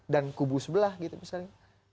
dan kubu sebelah gitu misalnya